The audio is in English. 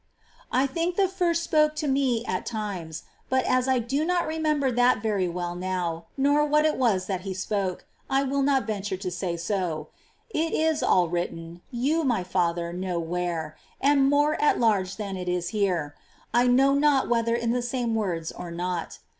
21.1 think the First spoke to me at times ; but, as I do not remember that very well now, nor what it was that He spoke, I will not venture to say so. It is all written, — you, my father, know where, — and more at large than it is here ; I know not whether in the same words or not.